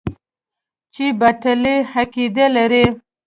چې باطلې عقيدې لري.